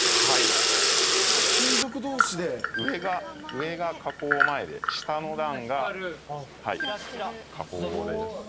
上が加工前で下の段が加工後です。